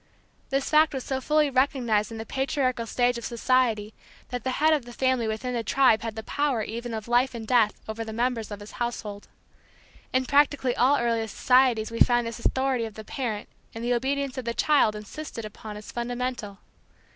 This fact was so fully recognized in the patriarchal stage of society that the head of the family within the tribe had the power even of life and death over the members of his household. In practically all early societies we find this authority of the parent and the obedience of the child insisted upon as fundamental.